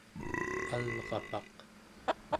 alrapaq